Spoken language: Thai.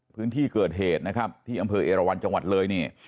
พื้นที่เกิดเหตุนะครับที่อำเภอเอราวันจังหวัดเลยเนี่ย